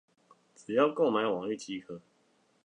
只要購買網域即可